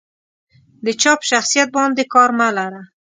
د جا په شخصيت باندې کار مه لره.